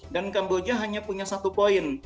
dan kamboja hanya punya satu poin